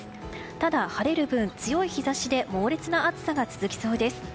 ただ、晴れる分、強い日差しで猛烈な暑さが続きそうです。